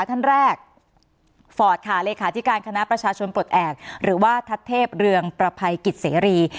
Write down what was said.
ท่านแรกฟอร์ตค่ะเลขาธิการคณะประชาชนปลดแอบหรือว่าทัศเทพเรืองประภัยกิจเสรี